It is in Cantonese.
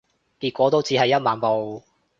結果都只係一萬步